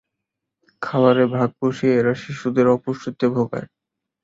খাবারে ভাগ বসিয়ে এরা শিশুদের অপুষ্টিতে ভোগায়।